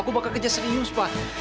aku bakal kerja serius pak